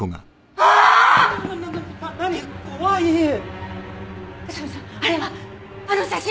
あの写真！